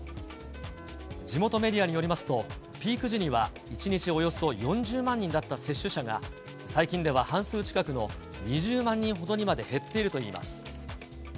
地元メディアによりますと、ピーク時には、１日およそ４０万人だった接種者が、最近では半数近くの２０万人ほどにまで減っているといいます。